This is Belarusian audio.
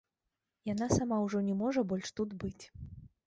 Яна сама ўжо не можа больш тут быць.